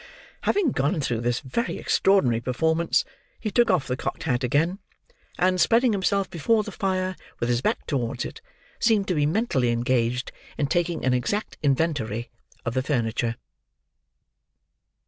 Having gone through this very extraordinary performance, he took off the cocked hat again, and, spreading himself before the fire with his back towards it, seemed to be mentally engaged in taking an exact inventory of the furniture.